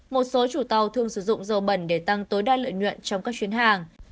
một số chủ tàu thường sử dụng dầu bẩn để tăng tối đa lợi nhuận trong các chuyến hàng